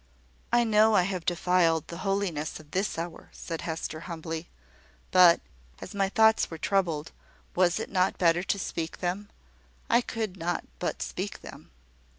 "I know I have defiled the holiness of this hour," said Hester, humbly. "But as my thoughts were troubled, was it not better to speak them? I could not but speak them."